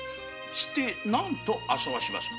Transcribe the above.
して何とあそばします？